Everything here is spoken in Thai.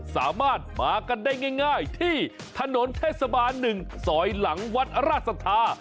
สามารถมากันได้ง่ายที่ถนนเทศบาล๑ซอยหลังวัดราชสัทธา